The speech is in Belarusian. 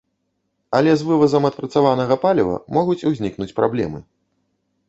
Але з вывазам адпрацаванага паліва могуць узнікнуць праблемы.